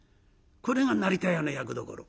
これが成田屋の役どころ。